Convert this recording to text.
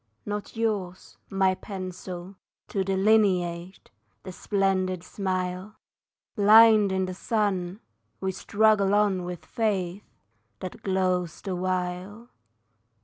Not yours, my pencil, to delineate The splendid smile! Blind in the sun, we struggle on with Fate That glows the while.